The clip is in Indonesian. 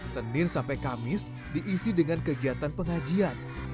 senin sampai kamis diisi dengan kegiatan pengajian